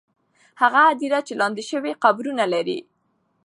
هغه هدیرې چې لاندې شوې، قبرونه لري.